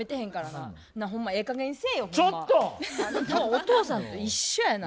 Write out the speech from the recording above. お父さんと一緒やな。